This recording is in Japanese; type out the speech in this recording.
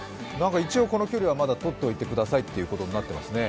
一応この距離はまだ取っておいてくださいということになっていますね。